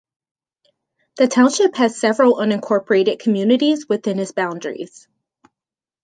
The township has several unincorporated communities within its boundaries.